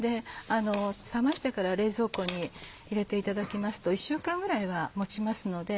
冷ましてから冷蔵庫に入れていただきますと１週間ぐらいは持ちますので。